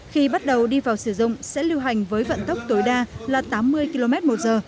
khi bắt đầu đi vào sử dụng sẽ lưu hành với vận tốc tối đa là tám mươi km một giờ